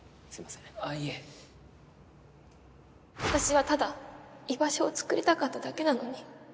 私はただ居場所を作りたかっただけなのに。